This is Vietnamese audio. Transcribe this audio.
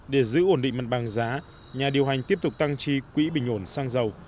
để giữ ổn định mặt bằng giá nhà điều hành tiếp tục tăng chi quỹ bình ổn xăng dầu